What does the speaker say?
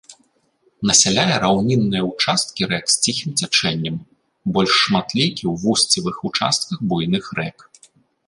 Насяляе раўнінныя ўчасткі рэк з ціхім цячэннем, больш шматлікі ў вусцевых участках буйных рэк.